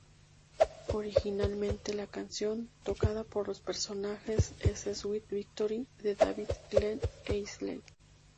Originalmente la canción tocada por los personajes es "Sweet Victory" de David Glen Eisley.